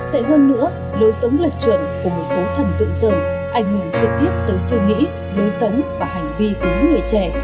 tệ hơn nữa lối sống lệch chuẩn của một số thần tượng dần anh hùng trực tiếp tới suy nghĩ lối sống và hành vi cứu người trẻ